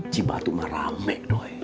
ciba itu mah rame doi